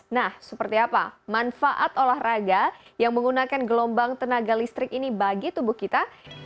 nah seperti apa manfaat olahraga yang menggunakan gelombang tenaga listrik ini bagi tubuh kita